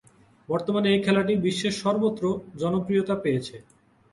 বর্তমানে এ খেলাটি বিশ্বের সর্বত্র জনপ্রিয়তা অর্জন করেছে।